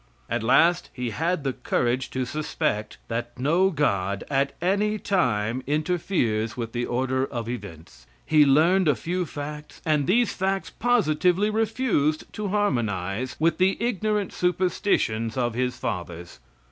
At last he had the courage to suspect, that no God at any time interferes with the order of events. He learned a few facts, and these facts positively refused to harmonize with the ignorant superstitions of his fathers.